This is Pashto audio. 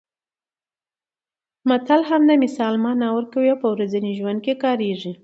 متل هم د مثال مانا ورکوي او په ورځني ژوند کې کارېږي